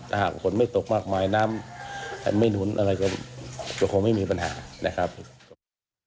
ถ้าหากฝนไม่ตกมากมายน้ำไม่หนุนอะไรก็คงไม่มีปัญหานะครับ